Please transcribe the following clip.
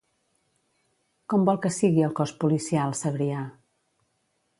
Com vol que sigui el cos policial Sabrià?